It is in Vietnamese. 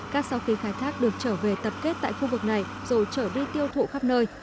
cát sau khi khai thác được trở về tập kết tại khu vực này rồi trở đi tiêu thụ khắp nơi